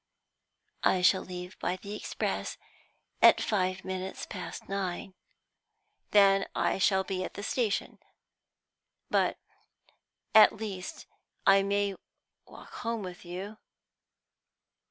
I shall leave by the express at five minutes past nine." "Then I shall be at the station. But at least I may walk home with you?"